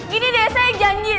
gini deh saya janji